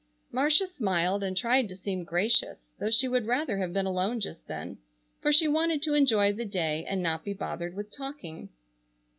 Marcia smiled and tried to seem gracious, though she would rather have been alone just then, for she wanted to enjoy the day and not be bothered with talking.